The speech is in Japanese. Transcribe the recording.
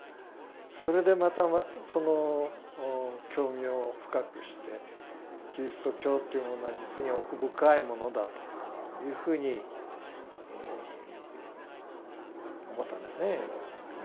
それでまたその興味を深くしてキリスト教というものは実に奥深いものだというふうに思ったんですね。